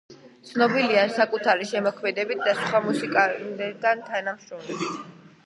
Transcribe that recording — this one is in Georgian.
ცნობილია საკუთარი შემოქმედებით და სხვა მუსიკოსებთან თანამშრომლობით.